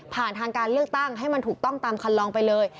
ผ่านทางการเลือกตั้งให้มันถูกต้องตามคันลองไปเลย